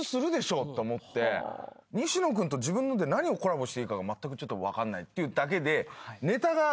西野君と自分ので何をコラボしていいかがまったくちょっと分かんないっていうだけで。